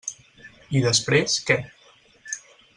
I després, què?